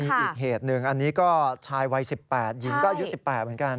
มีอีกเหตุหนึ่งอันนี้ก็ชายวัย๑๘หญิงก็อายุ๑๘เหมือนกัน